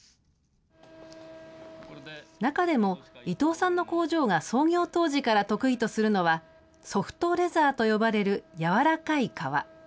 中でも、伊藤さんの工場が創業当時から得意とするのは、ソフトレザーと呼ばれる柔らかい革。